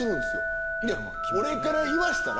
俺から言わしたら。